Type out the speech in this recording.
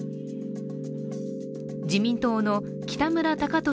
自民党の北村貴寿